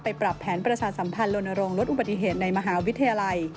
ปรับแผนประชาสัมพันธ์ลนโรงลดอุบัติเหตุในมหาวิทยาลัย